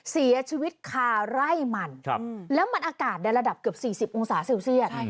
เสียชีวิตคาร่ายมันครับแล้วมันอากาศในระดับเกือบสี่สิบองศาเซลเซียใช่ค่ะ